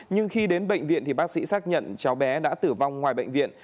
nhưng khi đến bệnh viện thì bác sĩ xác nhận cháu bé đã tử vong ngoài bệnh viện